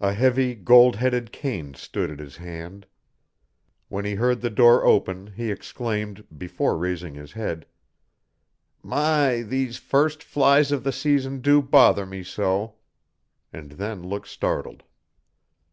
A heavy gold headed cane stood at his hand. When he heard the door open he exclaimed, before raising his head, "My, these first flies of the season do bother me so!" and then looked startled.